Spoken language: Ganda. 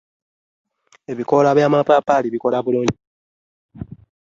Ebikoola by’amapaapaali bikola bulungi ssabbuuni.